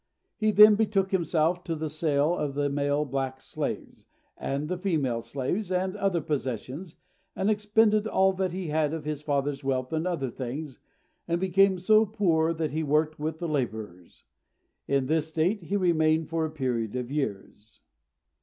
He then betook himself to the sale of the male black slaves, and the female slaves, and other possessions, and expended all that he had of his father's wealth and other things, and became so poor that he worked with the labourers. In this state he remained for a period of years.